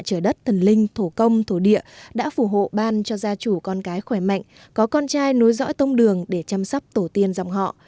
tại trời đất thần linh thổ công thổ địa đã phù hộ ban cho gia chủ con cái khỏe mạnh có con trai nối dõi tông đường để chăm sắp tổ tiên dòng họ